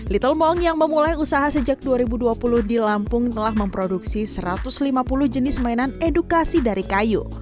little mong yang memulai usaha sejak dua ribu dua puluh di lampung telah memproduksi satu ratus lima puluh jenis mainan edukasi dari kayu